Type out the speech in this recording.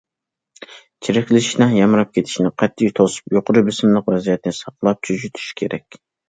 چىرىكلىشىشنىڭ يامراپ كېتىشىنى قەتئىي توسۇپ، يۇقىرى بېسىملىق ۋەزىيەتنى ساقلاپ، چۆچۈتۈش كېرەك.